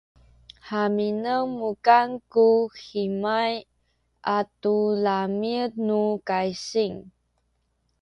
haminen mukan ku hemay atu lami’ nu kaysing